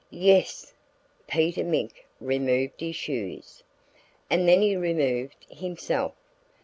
Yes! Peter Mink removed his shoes. And then he removed himself.